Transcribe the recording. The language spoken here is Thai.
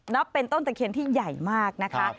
นับเป็นต้นตะเคียนที่ใหญ่มากนะคะ